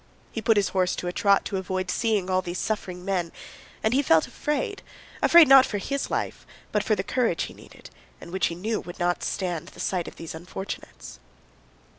He put his horse to a trot to avoid seeing all these suffering men, and he felt afraid—afraid not for his life, but for the courage he needed and which he knew would not stand the sight of these unfortunates.